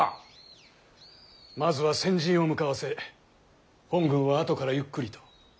まずは先陣を向かわせ本軍は後からゆっくりと。